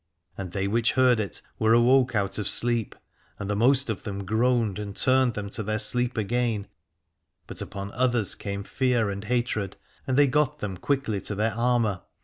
And they which heard it were awoke out of sleep, and the most of them groaned and turned them to their sleep again : but upon others came fear and hatred, and they got them quickly to their armour.